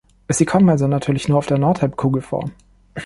Sie kommen also natürlich nur auf der Nordhalbkugel vor.